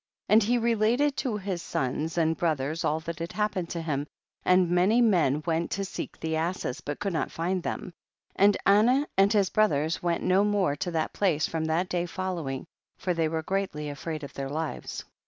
3.5. And he related to his sons and brothers all that had happened to him, and many men went to seek the asses but could not find them, and Anah and his brothers went no more to that place from that day following, for they were greatly afraid of their lives.